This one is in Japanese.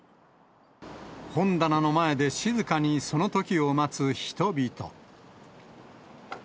本棚の前で静かにその時を待つ人々。